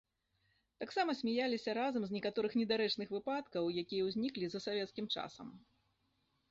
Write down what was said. Таксама смяяліся разам з некаторых недарэчных выпадкаў, якія ўзніклі за савецкім часам.